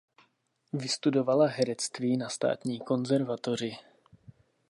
Vystudovala herectví na Státní konzervatoři.